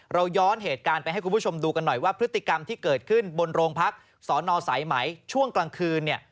ย้อนเหตุการณ์ไปให้คุณผู้ชมดูกันหน่อยว่าพฤติกรรมที่เกิดขึ้นบนโรงพักสอนอสายไหมช่วงกลางคืนเนี่ย